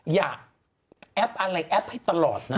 แอปอะไรแอปให้ตลอดนะ